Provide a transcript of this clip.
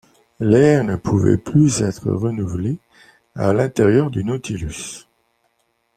L’air ne pouvait plus être renouvelé à l’intérieur du Nautilus.